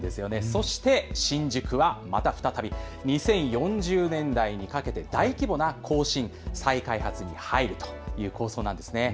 そして新宿はまた再び２０４０年代にかけて大規模な更新、再開発に入るという構想なんです。